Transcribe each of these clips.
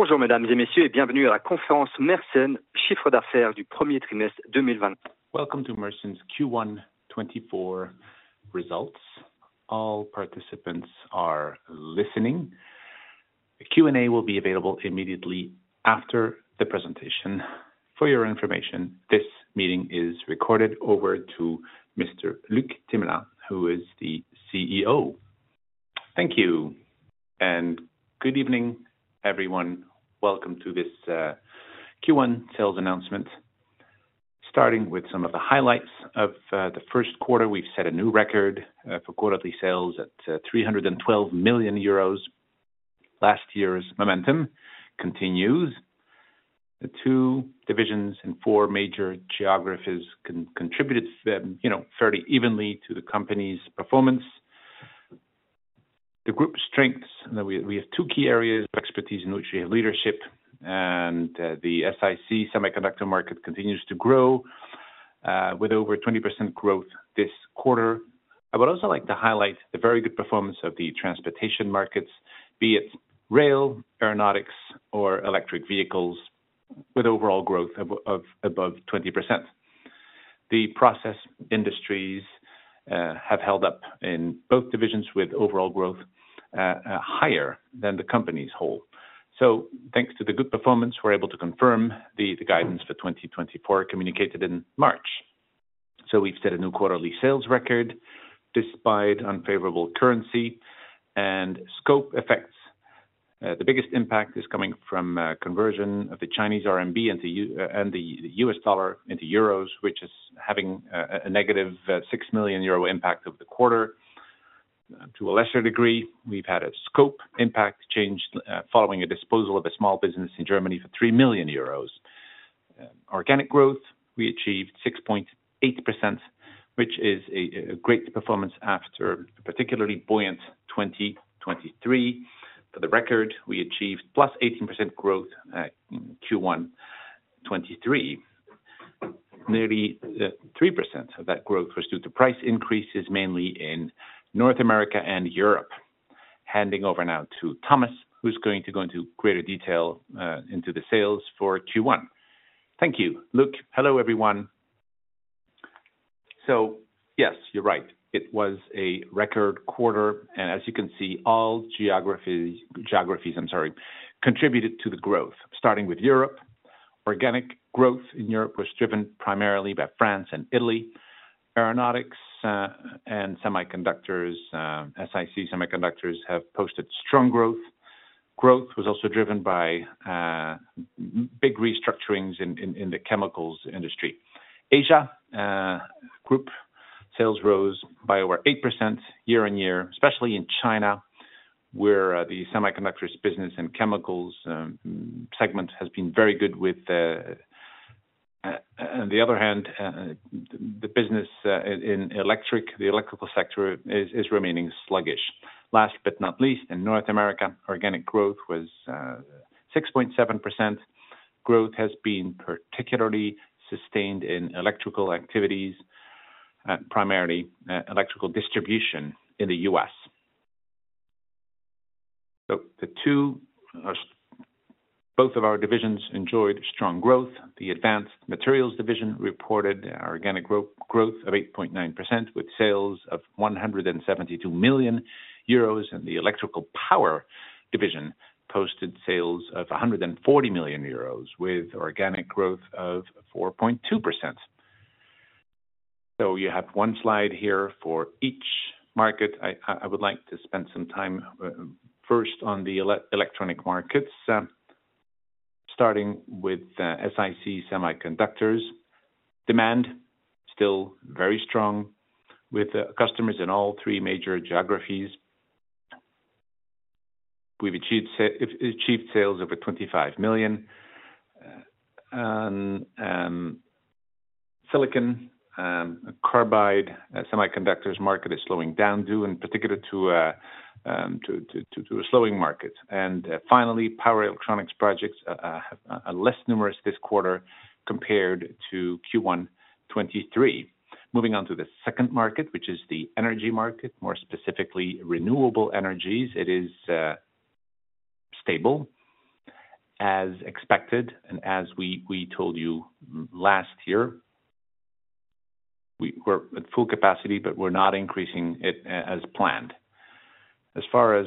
Bonjour, mesdames et messieurs, et bienvenue à la conférence Mersen, chiffre d'affaires du premier trimestre 2020. Welcome to Mersen's Q1 2024 results. All participants are listening. The Q&A will be available immediately after the presentation. For your information, this meeting is recorded. Over to Mr. Luc Themelin, who is the CEO. Thank you, and good evening, everyone. Welcome to this Q1 sales announcement. Starting with some of the highlights of the first quarter, we've set a new record for quarterly sales at 312 million euros. Last year's momentum continues. The two divisions in four major geographies contributed, you know, fairly evenly to the company's performance. The group's strengths, and then we have two key areas of expertise in which we have leadership and the SiC semiconductor market continues to grow with over 20% growth this quarter. I would also like to highlight the very good performance of the transportation markets, be it rail, aeronautics, or electric vehicles, with overall growth of above 20%. The process industries have held up in both divisions with overall growth higher than the company's whole. So thanks to the good performance, we're able to confirm the guidance for 2024 communicated in March. So we've set a new quarterly sales record despite unfavorable currency and scope effects. The biggest impact is coming from conversion of the Chinese RMB and the USD and the US dollar into euros, which is having a negative 6 million euro impact of the quarter. To a lesser degree, we've had a scope impact change following a disposal of a small business in Germany for 3 million euros. Organic growth, we achieved 6.8%, which is a great performance after a particularly buoyant 2023. For the record, we achieved +18% growth in Q1 2023. Nearly 3% of that growth was due to price increases, mainly in North America and Europe. Handing over now to Thomas, who's going to go into greater detail into the sales for Q1. Thank you, Luc. Hello, everyone. So yes, you're right. It was a record quarter, and as you can see, all geographies contributed to the growth, starting with Europe. Organic growth in Europe was driven primarily by France and Italy. Aeronautics and semiconductors, SiC semiconductors have posted strong growth. Growth was also driven by big restructurings in the chemicals industry. Asia, group sales rose by over 8% year on year, especially in China, where, the semiconductors business and chemicals, segment has been very good with the, On the other hand, the business, in, in electric, the electrical sector is, is remaining sluggish. Last but not least, in North America, organic growth was, 6.7%. Growth has been particularly sustained in electrical activities, primarily, electrical distribution in the US. So the two, both of our divisions enjoyed strong growth. The Advanced Materials division reported organic growth of 8.9%, with sales of 172 million euros, and the Electrical Power division posted sales of 140 million euros with organic growth of 4.2%. So you have one slide here for each market. I would like to spend some time first on the electronic markets, starting with SiC semiconductors. Demand still very strong with customers in all three major geographies. We've achieved sales over 25 million. And silicon carbide semiconductors market is slowing down due in particular to a slowing market. And finally, power electronics projects are less numerous this quarter compared to Q1 2023. Moving on to the second market, which is the energy market, more specifically, renewable energies. It is stable as expected, and as we told you last year, we're at full capacity, but we're not increasing it as planned. As far as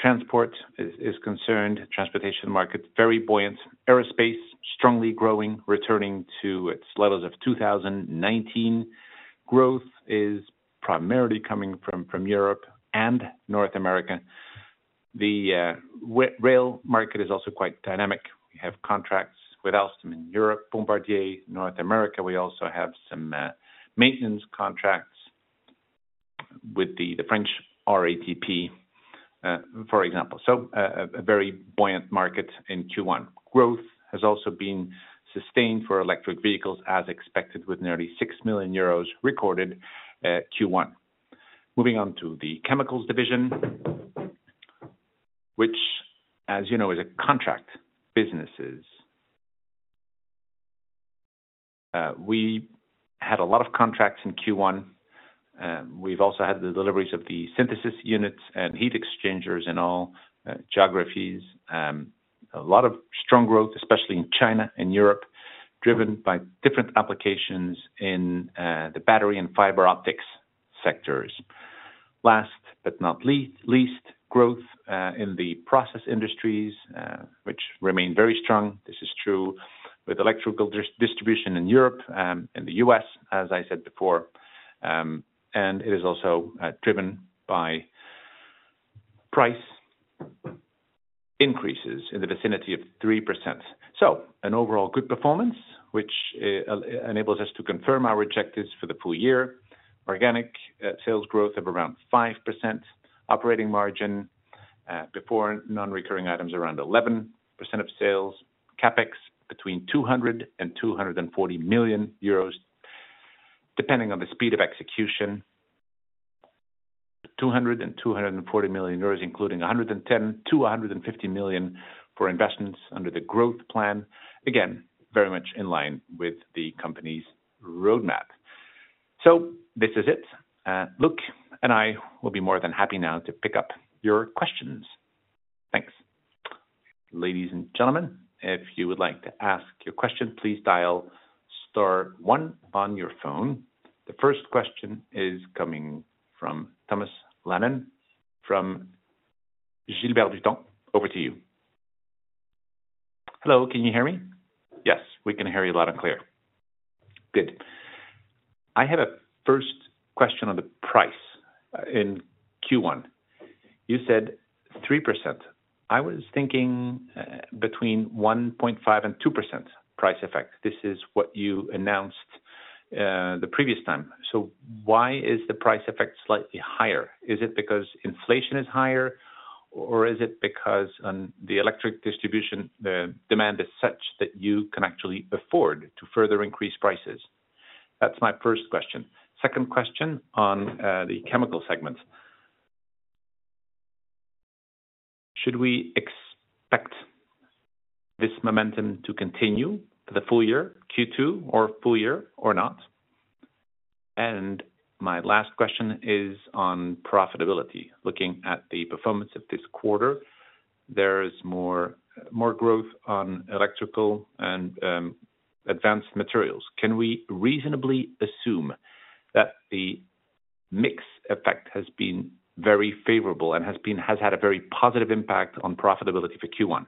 transport is concerned, transportation market very buoyant. Aerospace strongly growing, returning to its levels of 2019. Growth is primarily coming from Europe and North America. The rail market is also quite dynamic. We have contracts with Alstom in Europe, Bombardier in North America. We also have some maintenance contracts with the French RATP, for example. So, a very buoyant market in Q1. Growth has also been sustained for electric vehicles as expected, with nearly 6 million euros recorded in Q1. Moving on to the chemicals division, which, as you know, is a contract businesses. We had a lot of contracts in Q1. We've also had the deliveries of the synthesis units and heat exchangers in all geographies. A lot of strong growth, especially in China and Europe, driven by different applications in the battery and fiber optics sectors. Last but not least, growth in the process industries, which remain very strong. This is true with electrical distribution in Europe and the US, as I said before. And it is also driven by price increases in the vicinity of 3%. So an overall good performance, which enables us to confirm our objectives for the full-year. Organic sales growth of around 5%, operating margin before non-recurring items around 11% of sales. CapEx between 200 million euros and 240 million euros, depending on the speed of execution. 200 million euros- 240 million euros, including 110 million-150 million for investments under the growth plan. Again, very much in line with the company's roadmap. So this is it. Luc and I will be more than happy now to pick up your questions. Thanks. Ladies and gentlemen, if you would like to ask your question, please dial star one on your phone. The first question is coming from Thomas Renaud from Gilbert Dupont. Over to you. Hello, can you hear me? Yes, we can hear you loud and clear. Good. I had a first question on the price in Q1. You said 3%. I was thinking between 1.5% and 2% price effect. This is what you announced the previous time. So why is the price effect slightly higher? Is it because inflation is higher, or is it because on the electric distribution, the demand is such that you can actually afford to further increase prices? That's my first question. Second question on the chemical segment. Should we expect this momentum to continue for the full-year, Q2 or full-year or not? And my last question is on profitability. Looking at the performance of this quarter, there is more, more growth on electrical and, advanced materials. Can we reasonably assume that the mix effect has been very favorable and has had a very positive impact on profitability for Q1?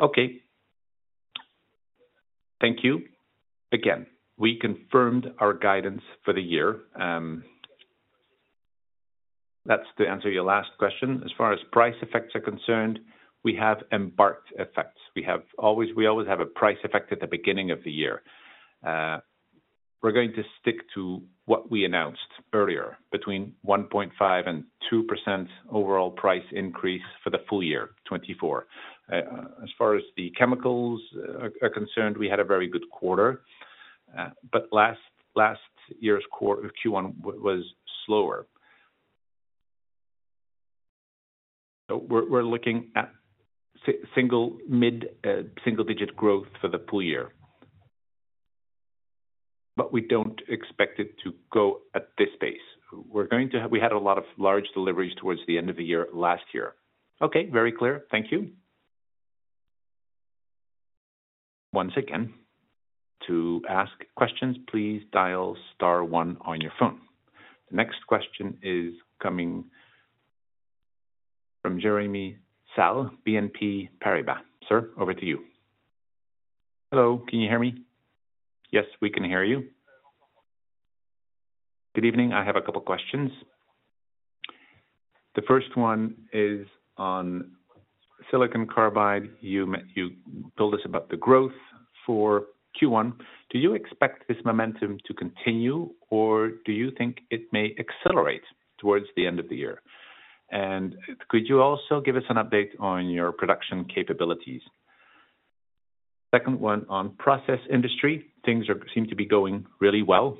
Okay. Thank you. Again, we confirmed our guidance for the year. That's to answer your last question. As far as price effects are concerned, we have embarked effects. We have always, we always have a price effect at the beginning of the year. We're going to stick to what we announced earlier, between 1.5% and 2% overall price increase for the full-year, 2024. As far as the chemicals are concerned, we had a very good quarter, but last year's quarter, Q1 was slower. So we're looking at mid-single-digit growth for the full-year. But we don't expect it to go at this pace. We're going to have -- we had a lot of large deliveries towards the end of the year, last year. Okay, very clear. Thank you. Once again, to ask questions, please dial star one on your phone. The next question is coming from Jérémy Sallée, BNP Paribas. Sir, over to you. Hello, can you hear me? Yes, we can hear you. Good evening. I have a couple questions. The first one is on silicon carbide. You told us about the growth for Q1. Do you expect this momentum to continue, or do you think it may accelerate towards the end of the year? And could you also give us an update on your production capabilities? Second one, on process industry, things seem to be going really well.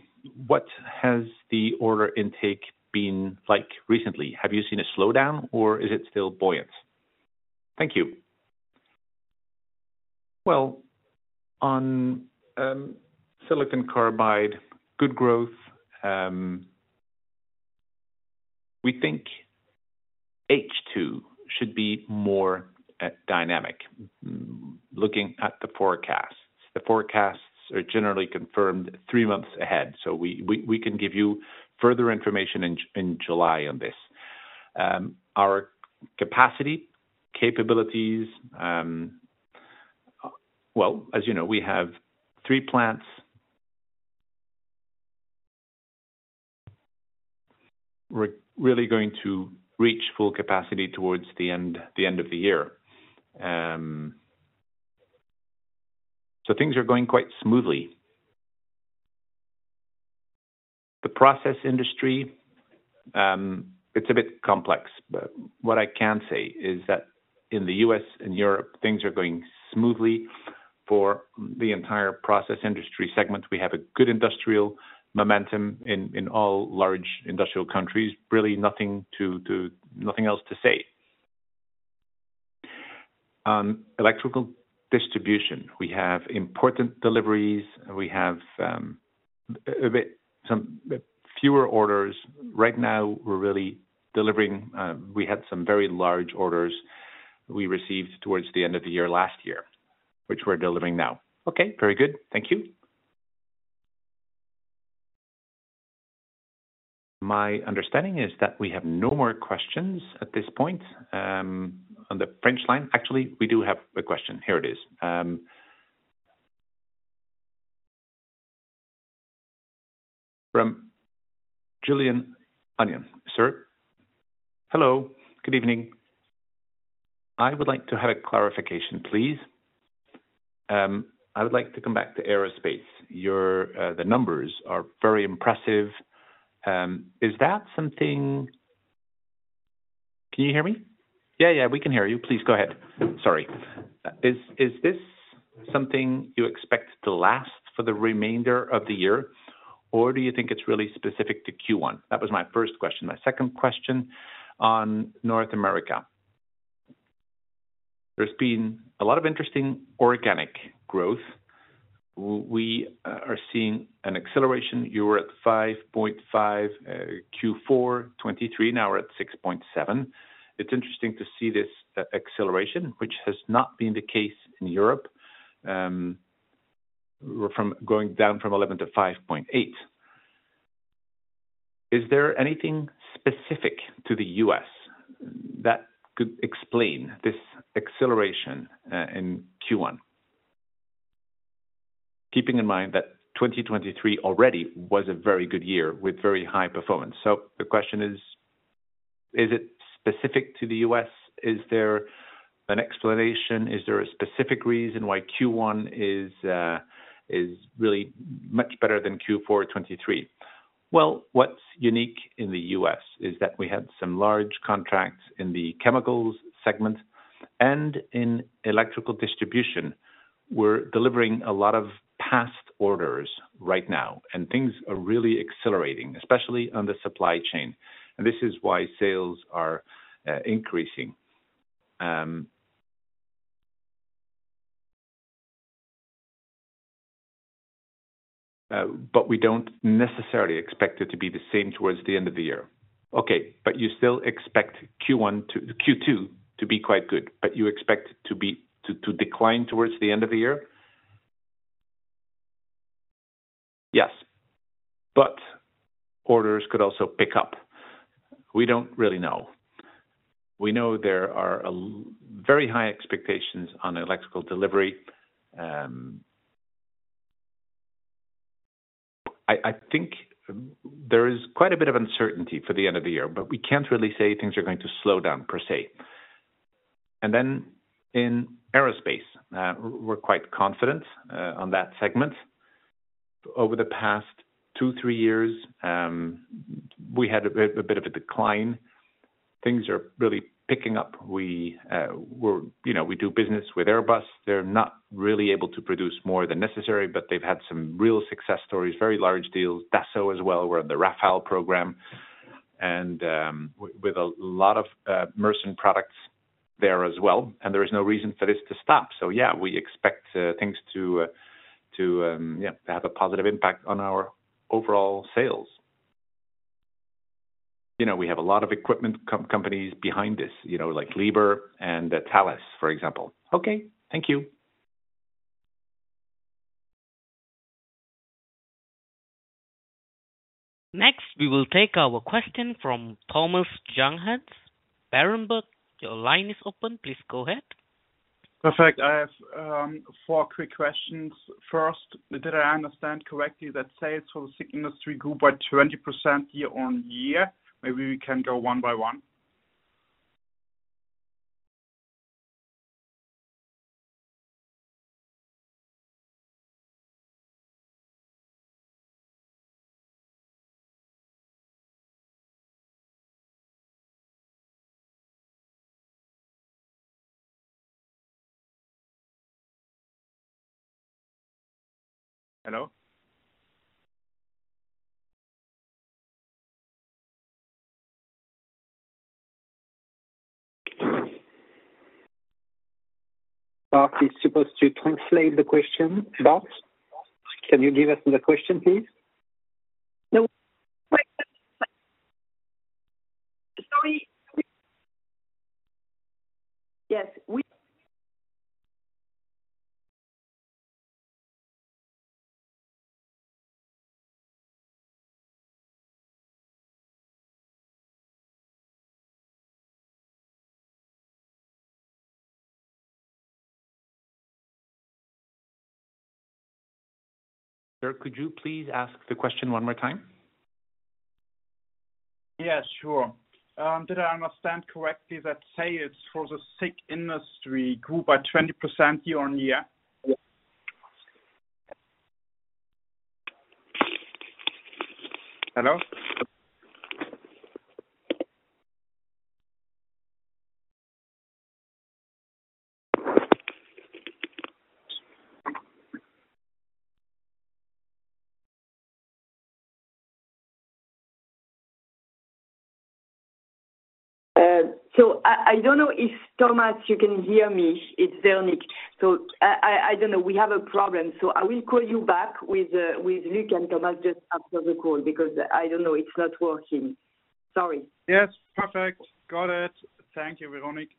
What has the order intake been like recently? Have you seen a slowdown or is it still buoyant? Thank you. Well, on silicon carbide, good growth. We think H2 should be more dynamic. Looking at the forecasts, the forecasts are generally confirmed three months ahead, so we can give you further information in July on this. Our capacity capabilities, well, as you know, we have three plants. We're really going to reach full capacity towards the end of the year. So things are going quite smoothly. The process industry, it's a bit complex, but what I can say is that in the U.S. and Europe, things are going smoothly for the entire process industry segment. We have a good industrial momentum in all large industrial countries. Really nothing else to say. Electrical distribution, we have important deliveries, and we have a bit, some fewer orders. Right now, we're really delivering, we had some very large orders we received towards the end of the year last year, which we're delivering now. Okay, very good. Thank you. My understanding is that we have no more questions at this point on the French line. Actually, we do have a question. Here it is from Julien Onillon. Sir? Hello, good evening. I would like to have a clarification, please. I would like to come back to aerospace. Your, the numbers are very impressive. Is that something... Can you hear me? Yeah, yeah, we can hear you. Please, go ahead. Sorry.Is this something you expect to last for the remainder of the year, or do you think it's really specific to Q1? That was my first question. My second question on North America. There's been a lot of interesting organic growth. We are seeing an acceleration. You were at 5.5%, Q4 2023, now we're at 6.7%. It's interesting to see this acceleration, which has not been the case in Europe. From going down from 11% to 5.8%. Is there anything specific to the U.S. that could explain this acceleration in Q1? Keeping in mind that 2023 already was a very good year with very high performance. So the question is: Is it specific to the U.S.? Is there an explanation, is there a specific reason why Q1 is really much better than Q4 2023? Well, what's unique in the U.S. is that we had some large contracts in the chemicals segment and in electrical distribution. We're delivering a lot of past orders right now, and things are really accelerating, especially on the supply chain, and this is why sales are increasing. But we don't necessarily expect it to be the same towards the end of the year. Okay, but you still expect Q1 to Q2 to be quite good, but you expect to be, to, to decline towards the end of the year? Yes, but orders could also pick up. We don't really know. We know there are very high expectations on electrical delivery. I think there is quite a bit of uncertainty for the end of the year, but we can't really say things are going to slow down per se. And then in aerospace, we're quite confident on that segment. Over the past two, three years, we had a bit, a bit of a decline. Things are really picking up. We're, you know, we do business with Airbus. They're not really able to produce more than necessary, but they've had some real success stories, very large deals, Dassault as well. We're in the Rafale program and, with, with a lot of Mersen products there as well, and there is no reason for this to stop. So, yeah, we expect things to, to, yeah, have a positive impact on our overall sales. You know, we have a lot of equipment companies behind this, you know, like Liebherr and Thales, for example. Okay, thank you. Next, we will take our question from Thomas Junghanns. Berenberg, your line is open. Please go ahead. Perfect. I have four quick questions. First, did I understand correctly that sales for the SiC industry grew by 20% year-over-year? Maybe we can go one by one. Hello? Mark, he's supposed to translate the question. Mark, can you give us the question, please? Sir, could you please ask the question one more time? Yes, sure. Did I understand correctly that sales for the SiC industry grew by 20% year-over-year? Hello?... so I don't know if, Thomas, you can hear me. It's Véronique. So I don't know. We have a problem, so I will call you back with Luc and Thomas just after the call, because I don't know, it's not working. Sorry. Yes, perfect. Got it. Thank you, Véronique.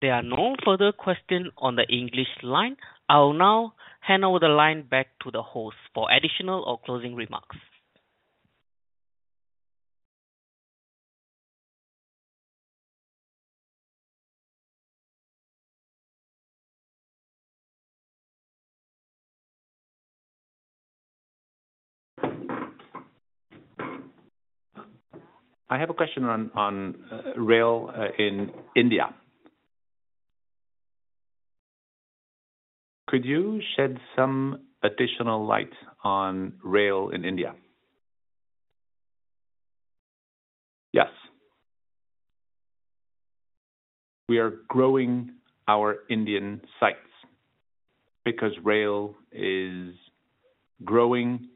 There are no further questions on the English line. I will now hand over the line back to the host for additional or closing remarks. I have a question on rail in India. Could you shed some additional light on rail in India? Yes. We are growing our Indian sites because rail is growing.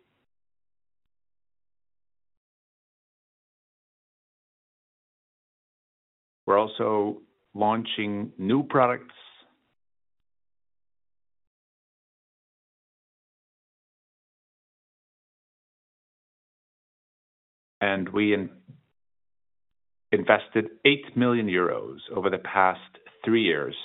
We're also launching new products. And we invested 8 million euros over the past 3 years.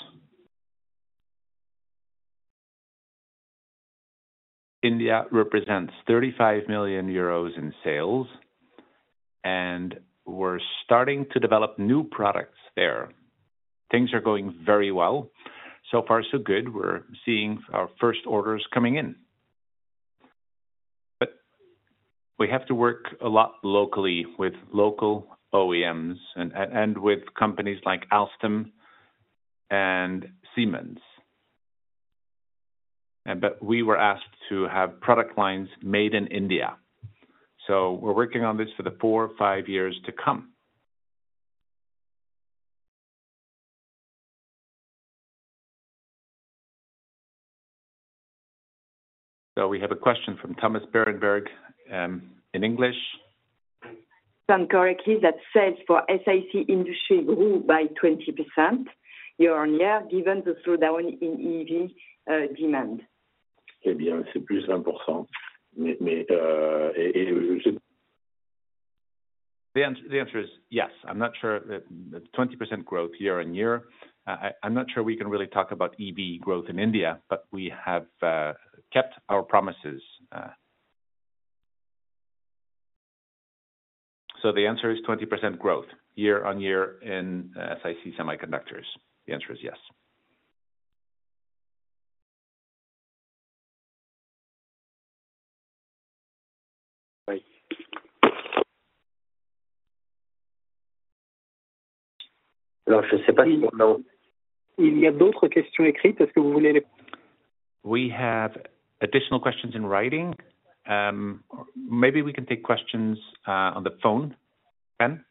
India represents 35 million euros in sales, and we're starting to develop new products there. Things are going very well. So far, so good. We're seeing our first orders coming in. But we have to work a lot locally with local OEMs and with companies like Alstom and Siemens. And but we were asked to have product lines made in India, so we're working on this for the 4-5 years to come. So we have a question from Thomas from Berenberg in English. Sound correctly, that sales for SiC industry grew by 20% year-on-year, given the slowdown in EV demand. The answer is yes. I'm not sure that the 20% growth year-on-year. I'm not sure we can really talk about EV growth in India, but we have kept our promises. So the answer is 20% growth year-on-year in SiC semiconductors. The answer is yes. We have additional questions in writing. Maybe we can take questions on the phone. Ben?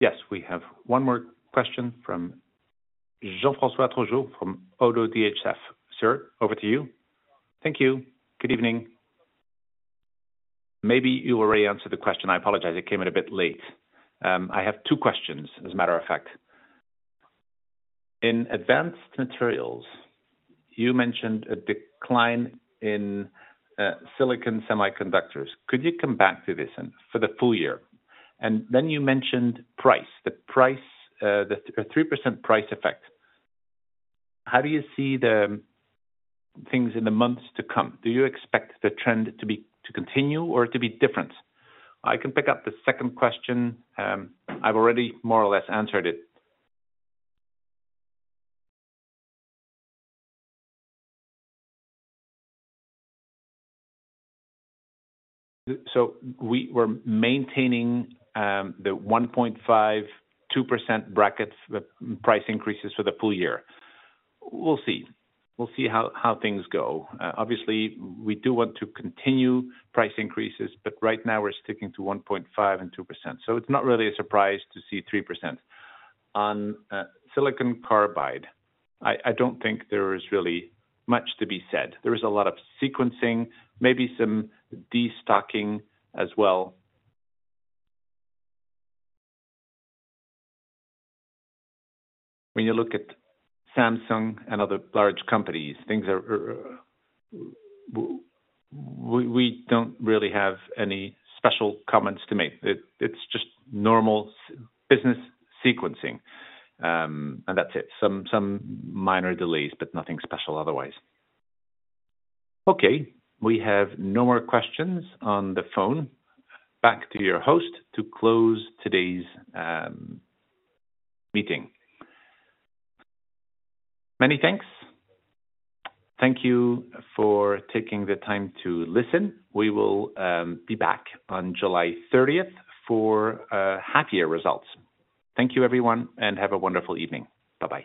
Yes, we have one more question from Jean-François Granjon from Oddo BHF. Sir, over to you. Thank you. Good evening. Maybe you already answered the question. I apologize, it came in a bit late. I have two questions, as a matter of fact. In advanced materials, you mentioned a decline in silicon semiconductors. Could you come back to this and for the full-year? And then you mentioned price, the price, a 3% price effect. How do you see the things in the months to come? Do you expect the trend to be, to continue or to be different? I can pick up the second question. I've already more or less answered it. So we're maintaining the 1.5%-2% brackets, the price increases for the full-year. We'll see. We'll see how things go. Obviously, we do want to continue price increases, but right now we're sticking to 1.5%-2%, so it's not really a surprise to see 3%. On silicon carbide, I don't think there is really much to be said. There is a lot of sequencing, maybe some destocking as well. When you look at Samsung and other large companies, things are... We don't really have any special comments to make. It's just normal business sequencing, and that's it. Some minor delays, but nothing special otherwise. Okay, we have no more questions on the phone. Back to your host to close today's meeting. Many thanks. Thank you for taking the time to listen. We will be back on July thirtieth for half year results. Thank you, everyone, and have a wonderful evening. Bye-bye.